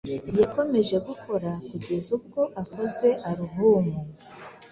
Yakomeje gukora kugeza ubwo akoze alubumu